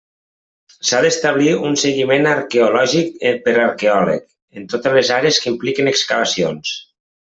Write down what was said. S'ha d'establir un seguiment arqueològic per arqueòleg, en totes les àrees que impliquen excavacions.